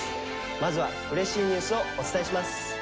まずはうれしいニュースをお伝えします。